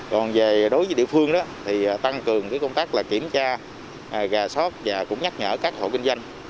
còn về đối với địa phương thì tăng cường công tác kiểm tra gà sót và cũng nhắc nhở các hộ kinh doanh